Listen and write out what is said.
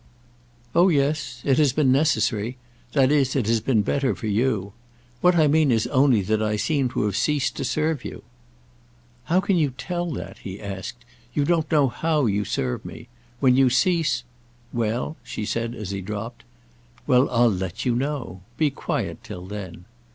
"Oh yes; it has been necessary—that is it has been better for you. What I mean is only that I seem to have ceased to serve you." "How can you tell that?" he asked. "You don't know how you serve me. When you cease—" "Well?" she said as he dropped. "Well, I'll let you know. Be quiet till then."